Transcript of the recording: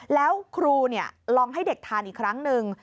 แล้วครูลองให้เด็กทานอีกครั้งหนึ่ง